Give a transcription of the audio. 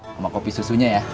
sama kopi susunya ya